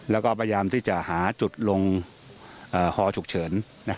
แล้วก็พยายามที่จะหาจุดลงฮอฉุกเฉิน